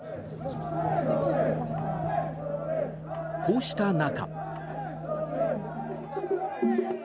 こうした中。